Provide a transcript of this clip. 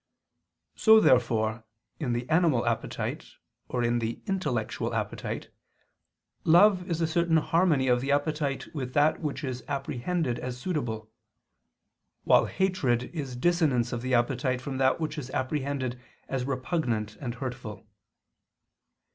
So, therefore, in the animal appetite, or in the intellectual appetite, love is a certain harmony of the appetite with that which is apprehended as suitable; while hatred is dissonance of the appetite from that which is apprehended as repugnant and hurtful.